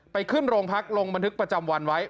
ไปขึ้นโรงพักลงบันทึกประจำวันไว้